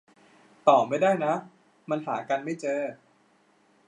ต่อไม่ได้นะ มันหากันไม่เจอ